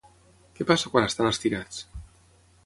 Què passa quan estan estirats?